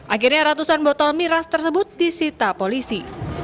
akhirnya ratusan botol miras tersebut disita polisi